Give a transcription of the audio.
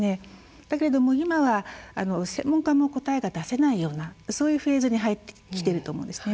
だけれども今は専門家も答えが出せないようなそういうフェーズに入ってきていると思うんですね。